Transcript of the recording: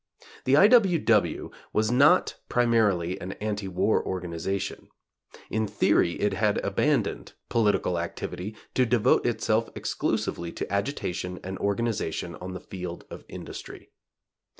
The I. W. W. was not primarily an anti war organization In theory it had abandoned political activity to devote itself exclusively to agitation and organization on the field of industry.